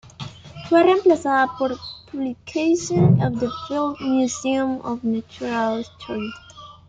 Fue reemplazada por "Publications of the Field Museum of Natural History".